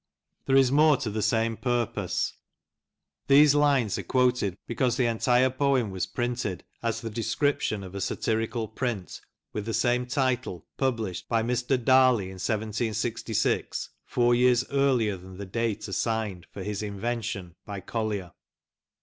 There is more to the same purpose. These lines are quoted because the entire poem was printed as the descrip tion of a satirical print, with the same title, published by M. Darly, in 1 766, four years earlier than the date assigned for his " invention" by Collier.